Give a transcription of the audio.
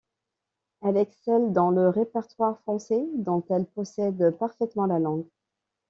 Elle excelle dans le répertoire français dont elle possède parfaitement la langue.